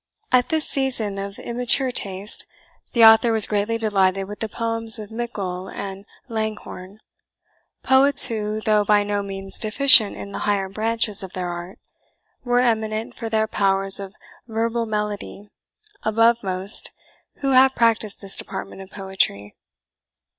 At this season of immature taste, the author was greatly delighted with the poems of Mickle and Langhorne, poets who, though by no means deficient in the higher branches of their art, were eminent for their powers of verbal melody above most who have practised this department of poetry.